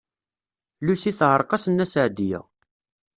Lucy teɛreq-as Nna Seɛdiya.